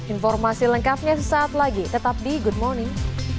informasi lengkapnya sesaat lagi tetap di good morning